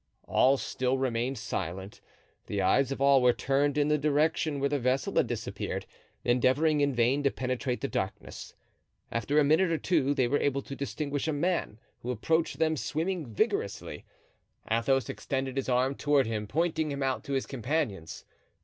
All still remained silent, the eyes of all were turned in the direction where the vessel had disappeared, endeavoring in vain to penetrate the darkness. After a minute or two they were able to distinguish a man, who approached them, swimming vigorously. Athos extended his arm toward him, pointing him out to his companions.